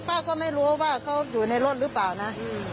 ป้าก็ไม่รู้ว่าเขาอยู่ในรถหรือเปล่านะ